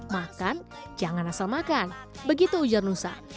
makan jangan asal makan begitu ujar nusa